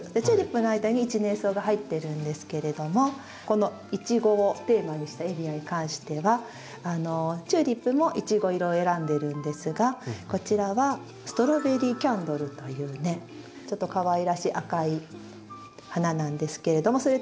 チューリップの間に一年草が入ってるんですけれどもこのイチゴをテーマにしたエリアに関してはチューリップもイチゴ色を選んでるんですがこちらはストロベリーキャンドルというねちょっとかわいらしい赤い花なんですけれども。